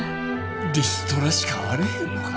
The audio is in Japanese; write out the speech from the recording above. リストラしかあれへんのか。